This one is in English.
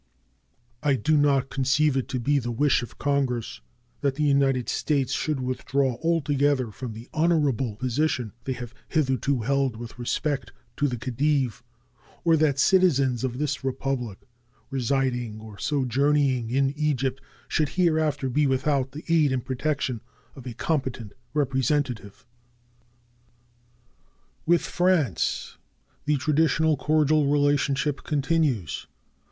I do not conceive it to be the wish of Congress that the United States should withdraw altogether from the honorable position they have hitherto held with respect to the Khedive, or that citizens of this Republic residing or sojourning in Egypt should hereafter be without the aid and protection of a competent representative. With France the traditional cordial relationship continues.